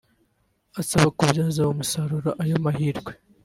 abasaba kubyaza umusaruro ayo mahirwe